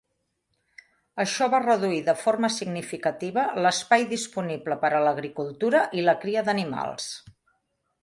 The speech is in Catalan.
Això va reduir de forma significativa l'espai disponible per a l'agricultura i la cria d'animals.